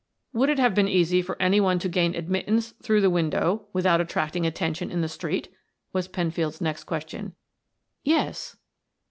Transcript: "Would it have been easy for any one to gain admittance through the window without attracting attention in the street?" was Penfield's next question. "Yes."